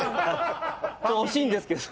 ちょっと惜しいんですけど。